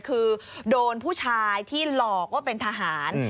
คือโดนผู้ชายที่หลอกว่าเป็นทหาร